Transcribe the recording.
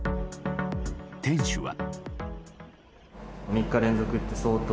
店主は。